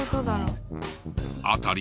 辺り